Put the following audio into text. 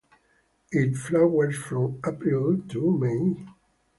It flowers from April to May.